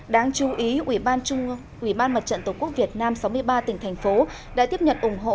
đáng chú ý ủy ban mặt trận tổ quốc việt nam sáu mươi ba tỉnh thành phố đã tiếp nhận ủng hộ